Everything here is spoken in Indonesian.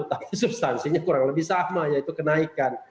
tapi substansinya kurang lebih sama yaitu kenaikan